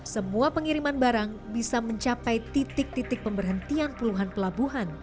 semua pengiriman barang bisa mencapai titik titik pemberhentian puluhan pelabuhan